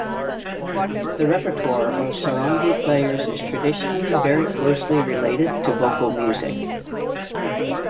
The repertoire of "sarangi" players is traditionally very closely related to vocal music.